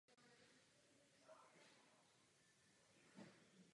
Při komponování a kompilaci tohoto díla mu pomáhali nejlepší hudebníci tehdejší Vídně.